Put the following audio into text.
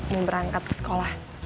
mau berangkat ke sekolah